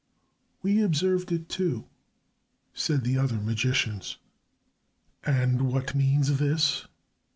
"We observed it, too," said the other magicians. "And what means this?"